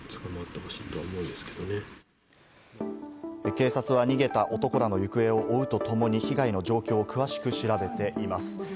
警察は逃げた男らの行方を追うとともに、被害の状況を詳しく調べています。